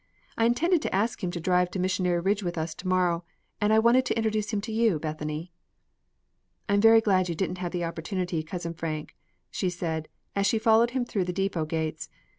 "I intended to ask him to drive to Missionary Ridge with us to morrow, and I wanted to introduce him to you, Bethany." "I'm very glad you didn't have the opportunity, Cousin Frank," she said, as she followed him through the depot gates.